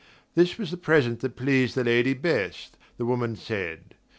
This was the present that pleased the lady best, the woman said.